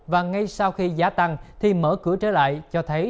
và ngay sau khi giá tăng thì mở cửa trở lại cho thấy